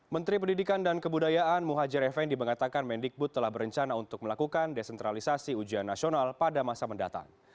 menteri pendidikan dan kebudayaan muhajir effendi mengatakan mendikbud telah berencana untuk melakukan desentralisasi ujian nasional pada masa mendatang